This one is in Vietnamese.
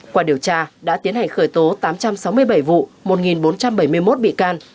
qua điều tra đã tiến hành khởi tố tám trăm sáu mươi bảy vụ một bốn trăm bảy mươi một bị can